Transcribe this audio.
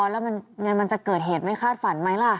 แล้วยังไงมันจะเกิดเหตุไม่คาดฝันไหมล่ะ